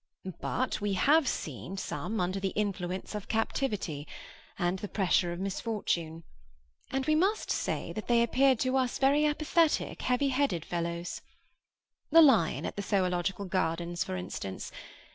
But we have seen some under the influence of captivity, and the pressure of misfortune; and we must say that they appeared to us very apathetic, heavy headed fellows. The lion at the Zoological Gardens, for instance.